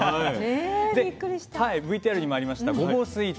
でＶＴＲにもありましたごぼうスイーツ。